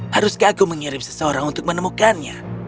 haruskah aku mengirim seseorang untuk menemukannya